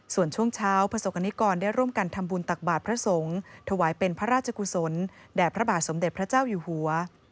ส่วนช่วงเช้าประสบกรณิกรได้ร่วมกันทำบุญตักบาทพระสงฆ์ถวายเป็นพระราชกุศลแด่พระบาทสมเด็จพระเจ้าอยู่หัว